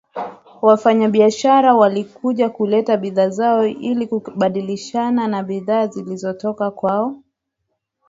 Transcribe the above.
wafanyabishara walikuja kuleta bidhaa zao ili kubadilishana na bidhaa zilizotoka kwao